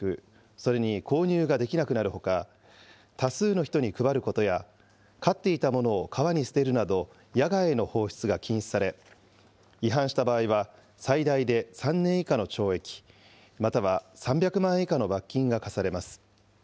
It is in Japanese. それに購入ができなくなるほか多数の人に配ることや飼っていたものを川に捨てるなど野外への放出が禁止され違反した場合は最大で３年以下の懲役または３００万円以下の罰金が科されます。